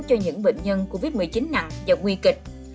cho những bệnh nhân covid một mươi chín nặng và nguy kịch